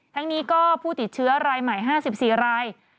ทั้งนี้ก็ผู้ติดเชื้อรายใหม่๕๔ราย